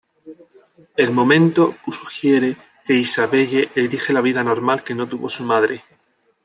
El momento sugiere que Isabelle elige la vida "normal" que no tuvo su madre.